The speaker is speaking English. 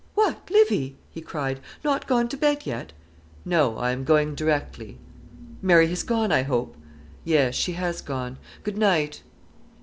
"What, Livy!" he cried, "not gone to bed yet?" "No; I am going directly." "Mary has gone, I hope?" "Yes; she has gone. Good night."